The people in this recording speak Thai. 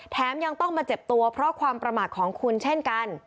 ยังต้องมาเจ็บตัวเพราะความประมาทของคุณเช่นกัน